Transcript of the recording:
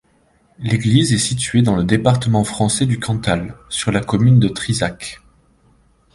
L'église est située dans le département français du Cantal, sur la commune de Trizac.